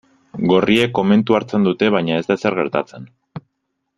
Gorriek komentu hartzen dute baina ez da ezer gertatzen.